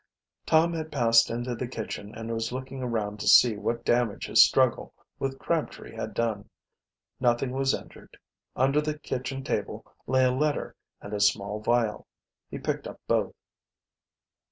Tom had passed into the kitchen and was looking around to see what damage his struggle with Crabtree had done. Nothing was injured. Under the kitchen table lay a letter and a small vial. He picked up both.